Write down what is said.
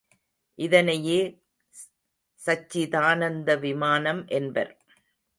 இதனையே சச்சிதானந்த விமானம் என்பர்.